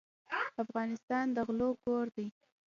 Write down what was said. افغانستان د غلو کور دی.